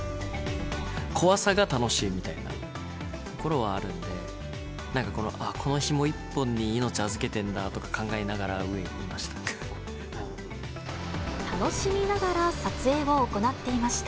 怖さが楽しいみたいなところはあるので、なんか、このひも一本に命預けてるんだって考えながら上にいました。